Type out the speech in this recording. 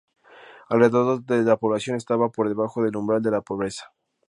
Alrededor del de la población estaba por debajo del umbral de pobreza.